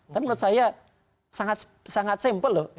tapi menurut saya sangat simpel loh